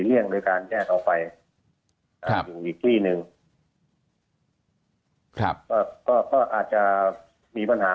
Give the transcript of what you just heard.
เลี่ยงโดยการแยกออกไฟอีกวิธีนึงครับก็อาจจะมีปัญหา